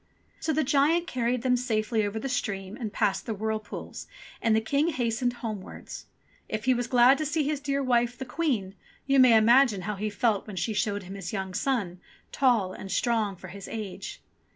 So the giant carried them safely over the stream and past the whirlpools, and the King hastened homewards. If he was glad to see his dear wife, the Queen, you may imagine how he felt when she showed him his young son, tall and strong for his age.